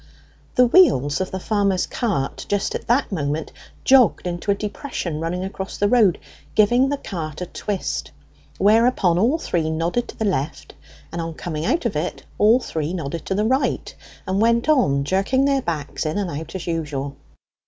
The wheels of the farmer's cart, just at that moment, jogged into a depression running across the road, giving the cart a twist, whereupon all three nodded to the left, and on coming out of it all three nodded to the right, and went on jerking their backs in and out as usual.